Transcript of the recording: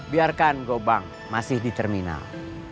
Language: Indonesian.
biarkan gobang masih di terminal